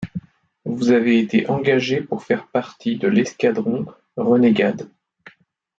Vous avez été engagé pour faire partie de l'escadron Renegade.